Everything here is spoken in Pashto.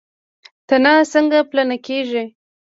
تنه څنګه پلنه کیږي؟